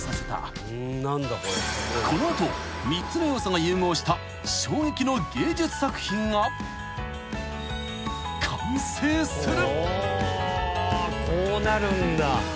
［この後３つの要素が融合した衝撃の芸術作品が完成する］